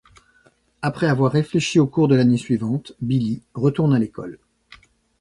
Après avoir réfléchi au cours de la nuit suivante, Billy retourne à l'école.